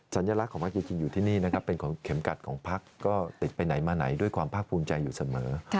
สัญลักษณ์ของพักจริงอยู่ที่นี่นะครับเป็นของเข็มกัดของพักก็ติดไปไหนมาไหนด้วยความภาคภูมิใจอยู่เสมอ